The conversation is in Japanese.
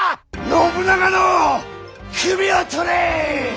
信長の首を取れ！